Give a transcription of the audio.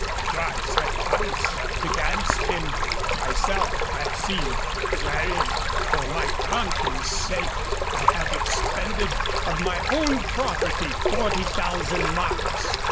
Thrice had I served against him myself at sea wherein, for my country's sake, I had expended of my own property forty thousand marks.